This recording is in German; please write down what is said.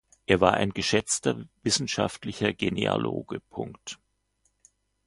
Er war ein geschätzter wissenschaftlicher Genealoge.